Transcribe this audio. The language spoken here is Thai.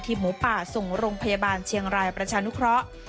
หมูป่าส่งโรงพยาบาลเชียงรายประชานุเคราะห์